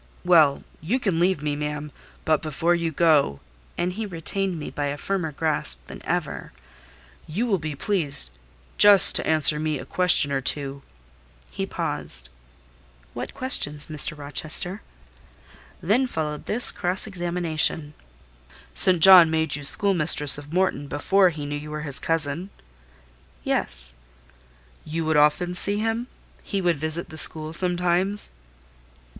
"Well, you can leave me, ma'am: but before you go" (and he retained me by a firmer grasp than ever), "you will be pleased just to answer me a question or two." He paused. "What questions, Mr. Rochester?" Then followed this cross examination. "St. John made you schoolmistress of Morton before he knew you were his cousin?" "Yes." "You would often see him? He would visit the school sometimes?"